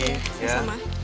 ini masih bunganya